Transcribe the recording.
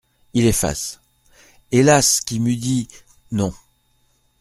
Il efface. "Hélas ! qui m’eût dit…" non.